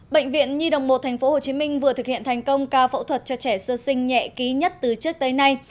bệnh viện nhi đồng một tp hcm vừa thực hiện thành công ca phẫu thuật cho trẻ sơ sinh nhẹ ký nhất từ trước tới nay